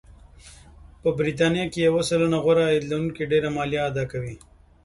په بریتانیا کې یو سلنه غوره عاید لرونکي ډېره مالیه اداکوي